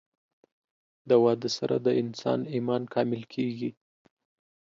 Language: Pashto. د واده سره د انسان ايمان کامل کيږي